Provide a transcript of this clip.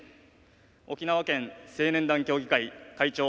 沖縄県青年団協議会会長